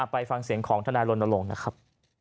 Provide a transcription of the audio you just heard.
ไปฟังเสียงของทนายรณรงค์นะครับ